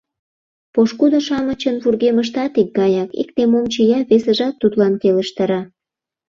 Пошкудо-шамычын вургемыштат икгаяк: икте мом чия — весыжат тудлан келыштара.